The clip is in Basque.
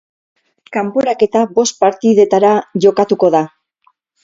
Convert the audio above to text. Kanporaketa bost partidetara jokatuko da.